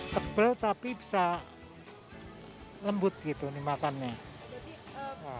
tebel tapi bisa lembut gitu nih makannya